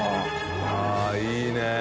◆舛いいね。